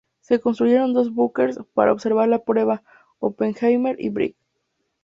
Se construyeron dos búnkers para observar la prueba, Oppenheimer y Brig.